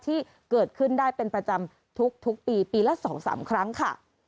ที่เกิดขึ้นได้เป็นประจำทุกปีปีละ๒๓ครั้งค่ะ